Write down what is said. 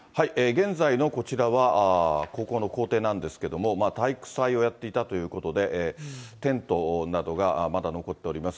現在のこちらは、高校の校庭なんですけども、体育祭をやっていたということで、テントなどがまだ残っております。